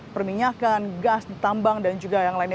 perminyakan gas tambang dan juga yang lainnya